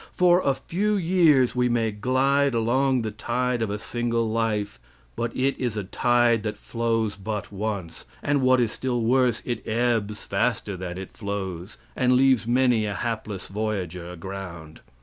For a few years we may glide along the tide of a single life, but it is a tide that flows but once, and, what is still worse, it ebbs faster than it flows, and leaves many a hapless voyager aground.